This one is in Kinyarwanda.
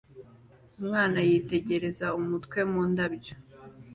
Umwana yitegereza umutwe mu ndabyo